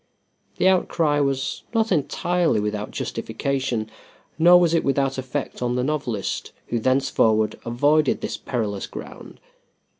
The outcry was not entirely without justification, nor was it without effect on the novelist, who thenceforward avoided this perilous ground.